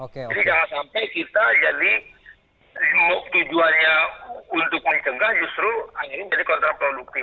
jadi jangan sampai kita jadi tujuannya untuk mencegah justru akhirnya jadi kontraproduktif